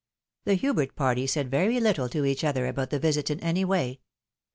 175 The Hubert party said very little to each other about the visit, in any way.